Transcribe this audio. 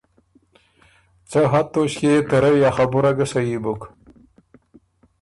څۀ حد توݭکيې يې ته رئ ا خبُره ګۀ صحیح بُک